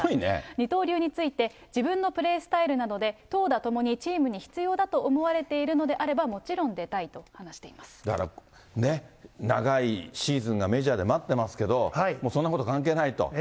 二刀流について、自分のプレースタイルなので、投打ともにチームに必要だと思われているのであれば、もちろん出だからね、長いシーズンがメジャーで待ってますけれども、そんなこと関係ないと。